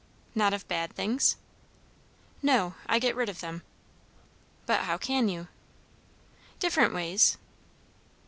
"Not of bad things?" "No. I get rid of them." "But how can you?" "Different ways."